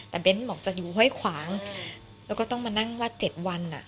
แต่เบ้นบอกจะอยู่ห้วยขวางแล้วก็ต้องมานั่งวาด๗วัน